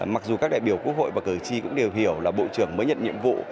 mặc dù các đại biểu quốc hội và cử tri cũng đều hiểu là bộ trưởng mới nhận nhiệm vụ